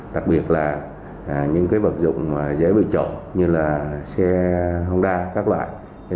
đặc biệt là những vật dụng dễ bị trộn như là xe hông đa các loại